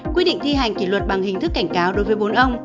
quy định thi hành kỷ luật bằng hình thức cảnh cáo đối với bốn ông